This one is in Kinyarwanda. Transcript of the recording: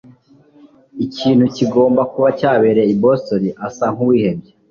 Ikintu kigomba kuba cyabereye i Boston. asa nkuwihebye.